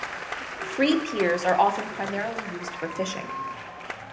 Free Piers are often primarily used for fishing.